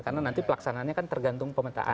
karena nanti pelaksananya kan tergantung pemetaan